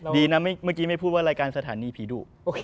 ดีนะเมื่อกี้ไม่พูดว่ารายการสถานีผีดุ